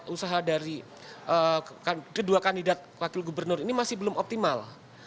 usaha dari kedua kandidat wakil gubernur ini masih belum optimal